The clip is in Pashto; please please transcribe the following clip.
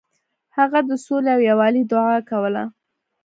هغه د سولې او یووالي دعا کوله.